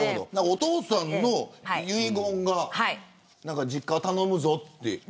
お父さんの遺言が実家を頼むぞ、という。